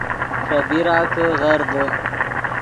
ݰے بیرا کہ غر دے